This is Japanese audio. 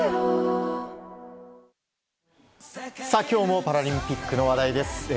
今日もパラリンピックの話題です。